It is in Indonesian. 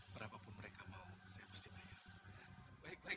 berapa pun mereka mau saya pasti baik baik